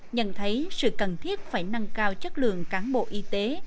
nhận thấy sự cần thiết phải nâng cao chất lượng cán bộ y tế